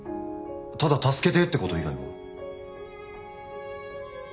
ただ助けてえってこと以外は。